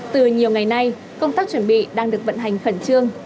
từ nhiều ngày nay công tác chuẩn bị đang được vận hành khẩn trương